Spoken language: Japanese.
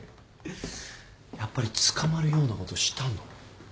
やっぱり捕まるようなことしたの？